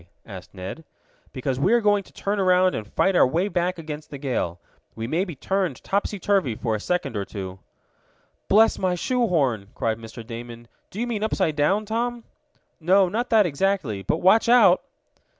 asked Ned. "Because we are going to turn around and fight our way back against the gale. We may be turned topsy turvy for a second or two." "Bless my shoe horn!" cried Mr. Damon. "Do you mean upside down, Tom?" "No, not that exactly. But watch out!"